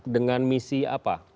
dengan misi apa